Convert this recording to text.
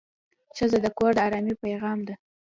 ښځه د کور د ارامۍ پېغام ده.